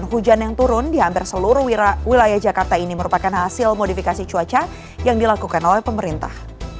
hujan yang turun di hampir seluruh wilayah jakarta ini merupakan hasil modifikasi cuaca yang dilakukan oleh pemerintah